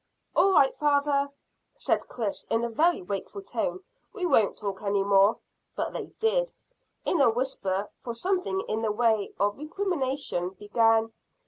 "All right, father," said Chris, in a very wakeful tone; "we won't talk any more." But they did, in a whisper, for something in the way of recrimination began.